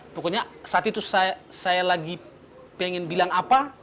pokoknya saat itu saya lagi pengen bilang apa